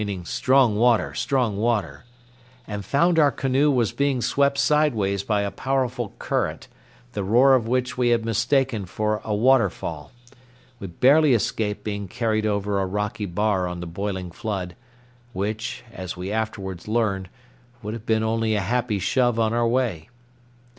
(strong water, strong water), and found our canoe was being swept sideways by a powerful current, the roar of which we had mistaken for a waterfall. We barely escaped being carried over a rocky bar on the boiling flood, which, as we afterwards learned, would have been only a happy shove on our way.